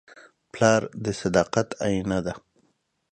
پلار د صداقت آیینه ده.